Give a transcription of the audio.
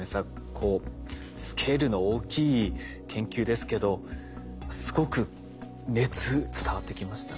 こうスケールの大きい研究ですけどすごく熱伝わってきましたね。